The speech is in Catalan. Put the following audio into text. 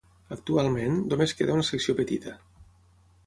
Actualment, només queda una secció petita.